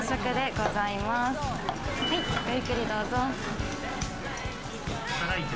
ごゆっくりどうぞ。